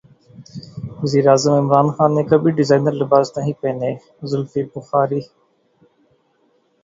وزیراعظم عمران خان نے کبھی ڈیزائنر لباس نہیں پہنے زلفی بخاری